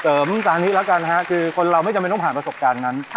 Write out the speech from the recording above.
เสริมต่างนี้ละกันค่ะคือคนเรามันไม่พาประสบการณ์นั้น